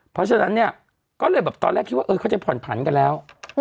เพราะฉะนั้นเนี่ยก็เลยแบบตอนแรกคิดว่าเขาจะผ่อนผันกันแล้ว